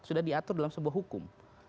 sudah diatur dalam sebuah hukum